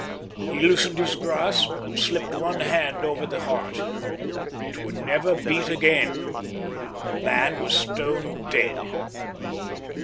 He loosened his grasp and slipped one hand over the heart. It would never beat again. The man was stone dead.